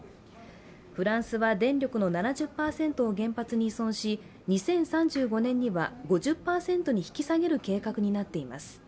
フランスは電力の７０％を原発に依存し、２０３５年には５０％に引き下げる計画になっています。